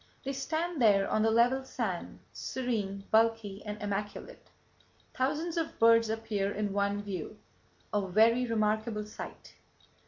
They stand there on the level sand, serene, bulky and immaculate. Thousands of birds appear in one view—a very remarkable sight.